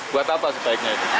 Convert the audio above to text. buat apa sebaiknya itu